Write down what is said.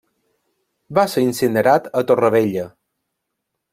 Va ser incinerat a Torrevella.